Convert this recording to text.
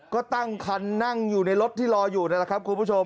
ก็ตั้งคันนั่งอยู่ในรถที่รออยู่นั่นแหละครับคุณผู้ชม